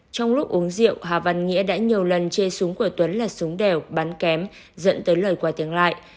trong lúc uống rượu hà văn nghĩa đã nhiều lần chê súng của tuấn là súng đèo bắn kém dẫn tới lời quả tiếng lại